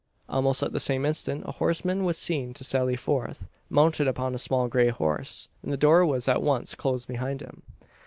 Almost at the same instant a horseman was seen to sally forth, mounted upon a small grey horse; and the door was at once closed behind him.